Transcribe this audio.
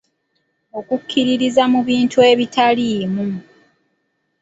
Okukkiririza mu bintu ebitaliimu.